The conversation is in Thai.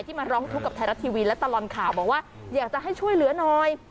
มาร้องทุกข์กับไทยรัฐทีวีและตลอดข่าวบอกว่าอยากจะให้ช่วยเหลือหน่อย